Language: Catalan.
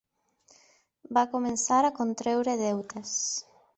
Va començar a contreure deutes